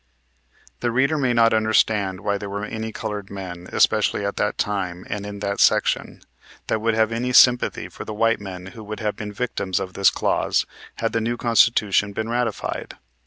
The reader may not understand why there were any colored men, especially at that time and in that section, that would have any sympathy for the white men who would have been victims of this clause had the new Constitution been ratified.